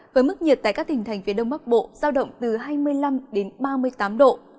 với mức nhiệt tại các tỉnh thành phía đông bắc bộ giao động từ hai mươi năm đến ba mươi tám độ